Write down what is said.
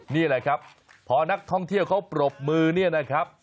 นี่แหละครับพอนักท่องเที่ยวเขาปรบมือเนี่ยนะครับ